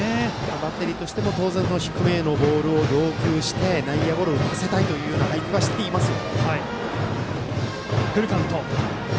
バッテリーとしても低めへのボールを要求して内野ゴロを打たせたいという配球はしていますよ。